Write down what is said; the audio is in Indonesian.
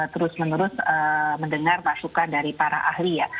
terus menerus mendengar masukan dari para ahli ya